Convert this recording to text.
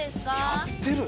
やってる！